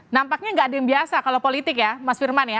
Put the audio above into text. nampaknya nggak ada yang biasa kalau politik ya mas firman ya